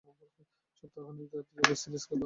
সপ্তাখানেক যাবত সিরিঞ্জ ব্যবহার করেনি।